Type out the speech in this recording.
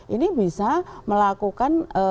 ini bisa melakukan